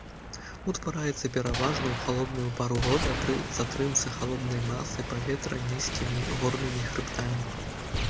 Ўтвараецца пераважна ў халодную пару года пры затрымцы халоднай масы паветра нізкімі горнымі хрыбтамі.